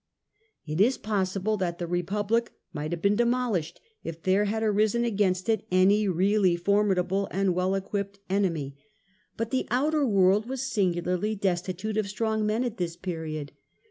It is possible that the Republic might have been demolished,' if there had arisen against it any really formidable and well equipped enemy. But the outer world was singularly destitute of strong men at this period.